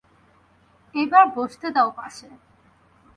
এইবার বসতে দাও পাশে।